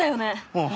ああ。